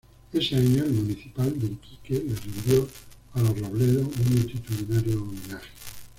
Ese año, el Municipal de Iquique le rindió a los Robledo un multitudinario homenaje.